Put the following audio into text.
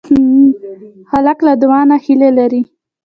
هلک له دعا نه هیله لري.